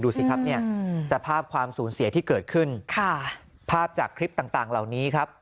สิครับเนี่ยสภาพความสูญเสียที่เกิดขึ้นค่ะภาพจากคลิปต่างเหล่านี้ครับ